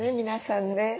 皆さんね。